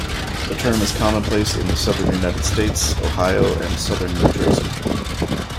The term is commonplace in the Southern United States, Ohio, and Southern New Jersey.